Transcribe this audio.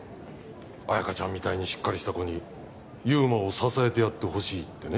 綾香ちゃんみたいにしっかりした子に祐馬を支えてやってほしいってね